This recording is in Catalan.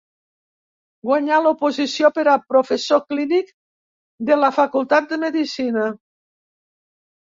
Guanyà l'oposició per a professor clínic de la Facultat de Medicina.